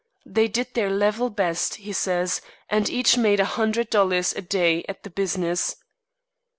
They did their "level best," he says, and each made a hundred dollars a day at the business.